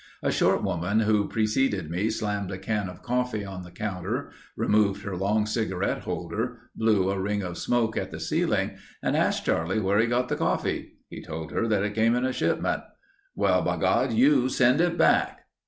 A short woman who preceded me slammed a can of coffee on the counter, removed her long cigarette holder, blew a ring of smoke at the ceiling and asked Charlie where he got the coffee. He told her that it came in a shipment. "Well bigod, you send it back."